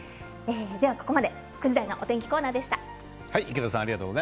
ここまで９時台のお天気コーナーでした。